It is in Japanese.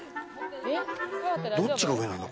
どっちが上なんだ？